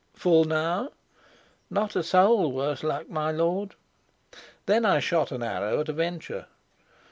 "Full now?" "Not a soul, worse luck, my lord." Then I shot an arrow at a venture.